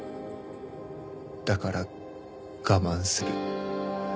だから我慢する。